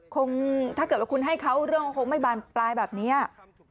ถ้าเกิดว่าคุณให้เขาเรื่องก็คงไม่บานปลายแบบนี้